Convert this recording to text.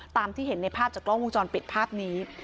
ตามที่เห็นในภาพจากกล้องวงจรปิดภาพนี้